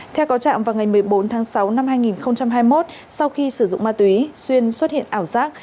theo có trạm vào ngày một mươi bốn tháng sáu năm hai nghìn hai mươi một sau khi sử dụng ma túy xuyên xuất hiện ảo giác